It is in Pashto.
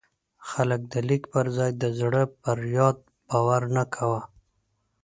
خلک د لیک پر ځای د زړه پر یاد باور نه کاوه.